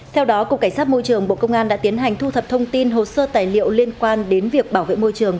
theo đó cục cảnh sát môi trường bộ công an đã tiến hành thu thập thông tin hồ sơ tài liệu liên quan đến việc bảo vệ môi trường